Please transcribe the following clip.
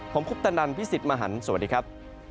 ผมคุปตะนันพี่สิทธิ์มหันฯสวัสดีครับ